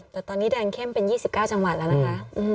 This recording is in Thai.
แต่ตอนนี้แดงเข้มเป็น๒๙จังหวัดแล้วนะคะ